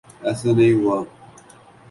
ایسا نہیں ہوا۔